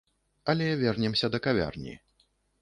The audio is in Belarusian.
Але вернемся да кавярні.